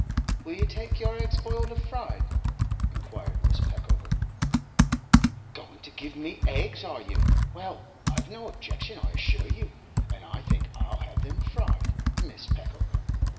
'Will you take your eggs boiled or fried?' inquired Mrs. Peckover. 'Going to give me eggs, are you? Well, I've no objection, I assure you. And I think I'll have them fried, Mrs. Peckover.